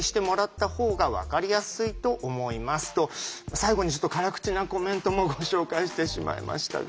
最後にちょっと辛口なコメントもご紹介してしまいましたが。